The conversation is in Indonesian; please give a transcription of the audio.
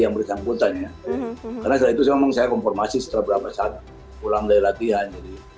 yang bersambutannya karena saya itu memang saya konfirmasi setelah beberapa saat pulang dari latihan